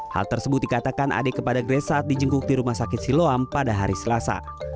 hal tersebut dikatakan ade kepada grace saat di jengkuk di rumah sakit siloam pada hari selasa